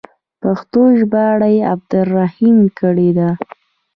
پښتو ژباړه یې عبدالرحیم کړې ده.